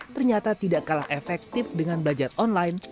ternyata tidak kalah efektif dengan belajar online